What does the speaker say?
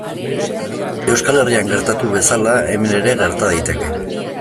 Euskal Herrian gertatu bezala, hemen ere gerta daiteke.